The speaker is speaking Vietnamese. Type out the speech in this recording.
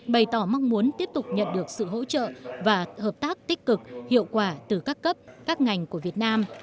bày tỏ mong muốn tiếp tục nhận được sự hỗ trợ và hợp tác tích cực hiệu quả từ các cấp các ngành của việt nam